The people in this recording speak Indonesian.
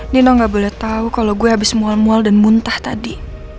nino gak boleh tahu kalau gue habis mual mual dan muntah tadi